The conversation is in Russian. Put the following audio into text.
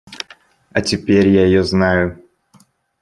А теперь я ее знаю.